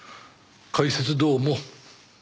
解説どうも。